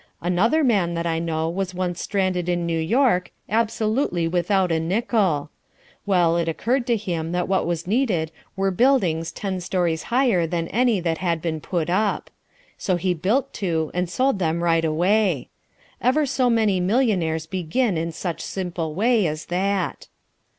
Another man that I know was once stranded in New York, absolutely without a nickel. Well, it occurred to him that what was needed were buildings ten stories higher than any that had been put up. So he built two and sold them right away. Ever so many millionaires begin in some such simple way as that.